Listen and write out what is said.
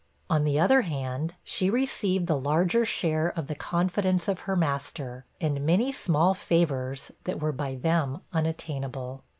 On the other hand, she received the larger share of the confidence of her master, and many small favors that were by them unattainable.